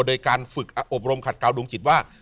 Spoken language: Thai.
โดยการฝึกอบรมขัดกาวดวงจิตว่า